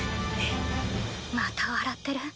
また笑ってる？